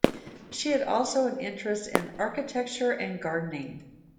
She had also an interest in architecture and gardening.